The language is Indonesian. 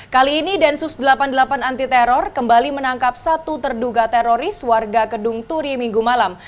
kali ini densus delapan puluh delapan anti teror kembali menangkap satu terduga teroris warga kedung turi minggu malam